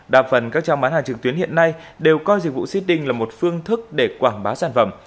đa phần các trang bán hàng trực tuyến hiện nay đều coi dịch vụ syding là một phương thức để quảng bá sản phẩm